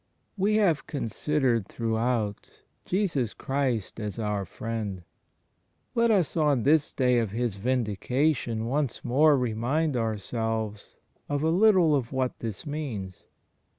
We have considered throughout Jesus Christ as our Friend. Let us on this day of His Vindication once more remind ourselves of a little of what this means.